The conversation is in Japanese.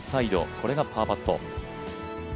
これがパーパット。